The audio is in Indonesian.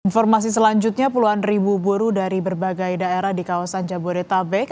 informasi selanjutnya puluhan ribu buruh dari berbagai daerah di kawasan jabodetabek